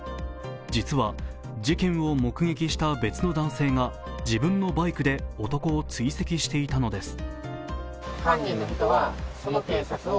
実は事件を目撃した別の男性が自分のバイクで男を追跡していたのです。